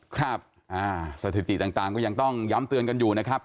ครับสถิติต่างก็ยังต้องย้ำเตือนกันอยู่นะครับ